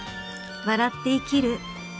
笑って生きる！